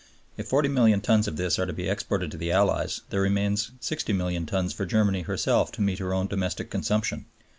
If 40,000,000 tons of this are to be exported to the Allies, there remain 60,000,000 tons for Germany herself to meet her own domestic consumption.